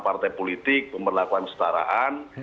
partai politik pemberlakuan setaraan